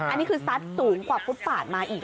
อันนี้คือทรัชน์ถูกกว่าภูตภาษณ์มาอีก